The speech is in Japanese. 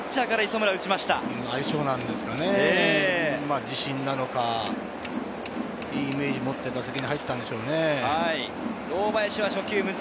そうなんですよね、自信なのか、いいイメージを持って打席に入ったんでしょうね。